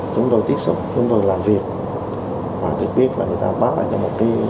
chúng tôi tiếp xúc chúng tôi làm việc và được biết người ta bác lại cho một tiệm mua bán xe máy cổ